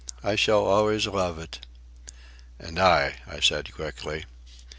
I shall always love it." "And I," I said quickly.